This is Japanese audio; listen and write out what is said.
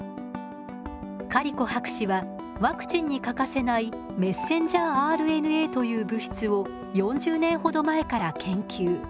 カリコ博士はワクチンに欠かせないｍＲＮＡという物質を４０年ほど前から研究。